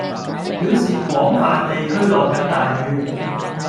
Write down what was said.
表示廣泛地區落緊大雨